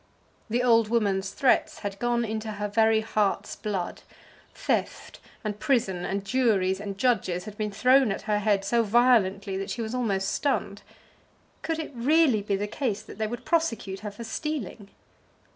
The old woman's threats had gone into her very heart's blood. Theft, and prison, and juries, and judges had been thrown at her head so violently that she was almost stunned. Could it really be the case that they would prosecute her for stealing?